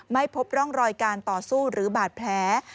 ไม่พบร่องรอยการต่อสู้หรือบาดแผล